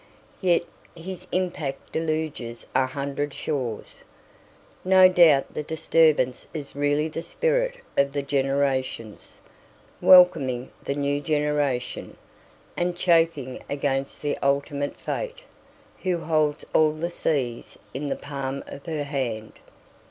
Yet his impact deluges a hundred shores. No doubt the disturbance is really the spirit of the generations, welcoming the new generation, and chafing against the ultimate Fate, who holds all the seas in the palm of her hand.